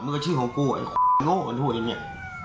มันก็ชื่อของกูไอ้โง่กันทุกอย่างเนี่ย